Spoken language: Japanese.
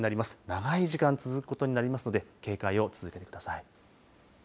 長い時間続くことになりますので警戒を続けてください。